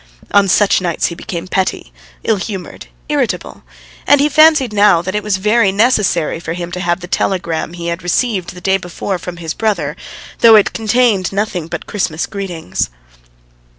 On such nights he became petty, ill humoured, irritable, and he fancied now that it was very necessary for him to have the telegram he had received the day before from his brother, though it contained nothing but Christmas greetings.